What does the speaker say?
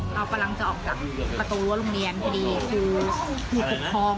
จากที่เขาพูดจากคำถือการของเด็กทั้งห้อง